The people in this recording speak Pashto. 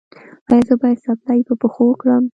ایا زه باید څپلۍ په پښو کړم؟